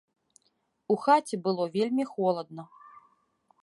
У хаце было вельмі холадна.